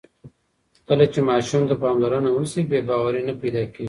کله چې ماشوم ته پاملرنه وشي، بې باوري نه پیدا کېږي.